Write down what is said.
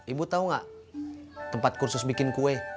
ibu tau gak tempat kursus bikin kue